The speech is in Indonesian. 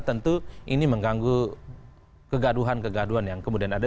tentu ini mengganggu kegaduhan kegaduhan yang kemudian ada